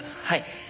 はい。